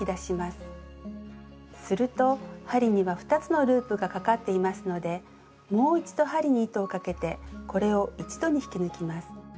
すると針には２つのループがかかっていますのでもう一度針に糸をかけてこれを一度に引き抜きます。